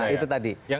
nah itu tadi